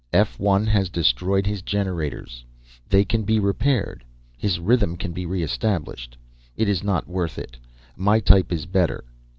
"F 1 has destroyed his generators. They can be repaired; his rhythm can be re established. It is not worth it, my type is better.